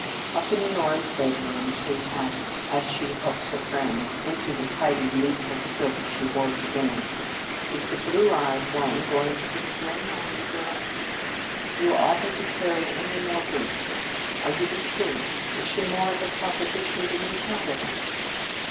Up in Honora's bedroom, Kate asked, as she helped her friend into the tidy neutral silk she wore to dinner: "Is the blue eyed one going to be a drain on you, girl? You oughtn't to carry any more burdens. Are you disturbed? Is she more of a proposition than you counted on?"